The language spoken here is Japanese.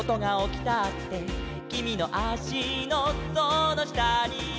「きみのあしのそのしたには」